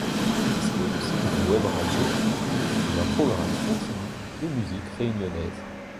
Le site dispose aussi d'une webradio qui diffuse un programme continu de musiques réunionnaises.